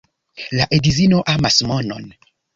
La edzino amas monon.